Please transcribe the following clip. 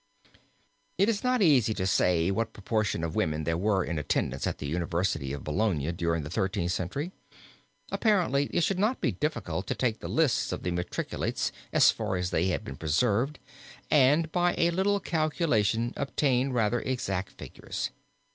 It is not easy to say what proportion of women there were in attendance at the university of Bologna during the Thirteenth Century. Apparently it should not be difficult to take the lists of the matriculates as far as they have been preserved and by a little calculation obtain rather exact figures.